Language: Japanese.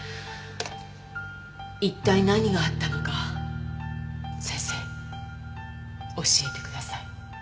一体何があったのか先生教えてください。